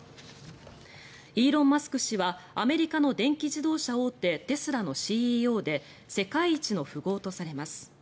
イーロン・マスク氏はアメリカの電気自動車大手テスラのＣＥＯで世界一の富豪とされます。